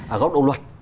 ở góc độ luật